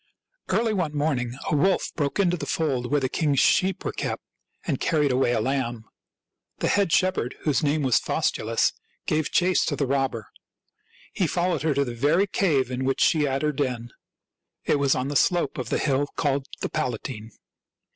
Early one morning a wolf broke into the fold where the king's sheep were kept, and carried away a lamb. The head shepherd, whose oaame was Faustulus, gave chase to the robber. He fol lowed her to the very cave; in which she had her den. It was on the slope of the hill called the Palatine.